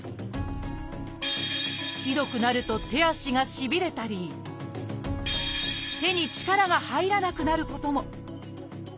ひどくなると手足がしびれたり手に力が入らなくなることも。